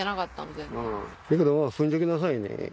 だけど踏んどきなさいね